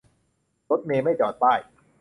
รถเมล์ไม่จอดป้าย